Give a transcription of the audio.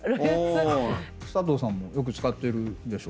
佐藤さんもよく使ってるんでしょ？